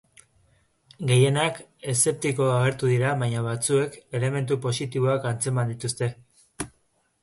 Gehienak eszeptiko agertu dira, baina batzuek elementu positiboak antzeman dituzte.